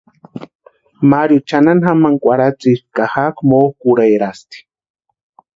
Mario chʼanani jamani kwarhatsïspti ka jakʼi mokʼurherasti.